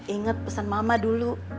ingat pesan mama dulu